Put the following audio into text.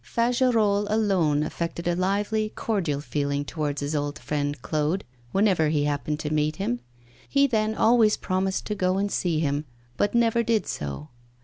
Fagerolles alone affected a lively, cordial feeling towards his old friend Claude whenever he happened to meet him. He then always promised to go and see him, but never did so.